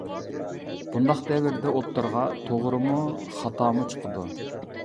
بۇنداق دەۋردە ئوتتۇرىغا توغرىمۇ خاتامۇ چىقىدۇ.